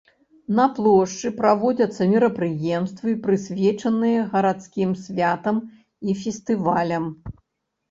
На плошчы праводзяцца мерапрыемствы, прысвечаныя гарадскім святам і фестывалям.